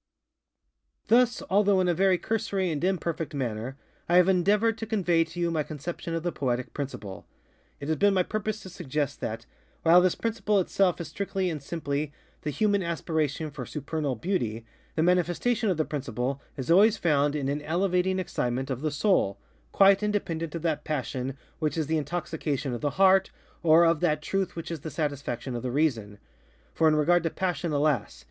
Thus, although in a very cursory and imperfect manner, I have endeavored to convey to you my conception of the Poetic Principle. It has been my purpose to suggest that, while this principle itself is strictly and simply the Human Aspiration for Supernal Beauty, the manifestation of the Principle is always found in _an elevating excitement of the soul, _quite independent of that passion which is the intoxication of the Heart, or of that truth which is the satisfaction of the Reason. For in regard to passion, alas!